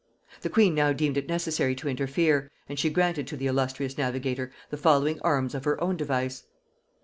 The queen now deemed it necessary to interfere, and she granted to the illustrious navigator the following arms of her own device.